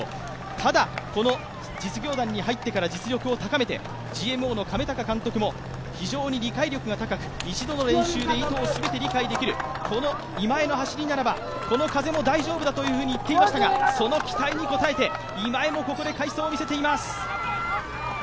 ただ、実業団に入ってから実力を高めてＧＭＯの亀鷹監督も非常に理解力が高く、一度の練習で全て理解できる、この今江の走りならばこの風も大丈夫だと言っていましたがその期待に応えて今江もここで快走を見せています。